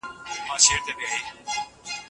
خاوند حق لري چې له هري ميرمني سره سفر وکړي؟